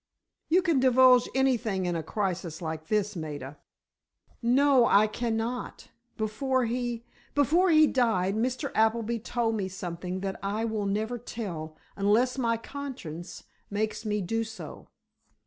"You can divulge anything in a crisis like this, Maida." "No, I cannot. Before he—before he died, Mr. Appleby told me something that I will never tell, unless my conscience makes me do so."